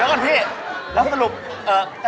อันนี้ถูก